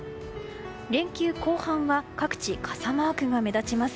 連休後半は各地、傘マークが目立ちます。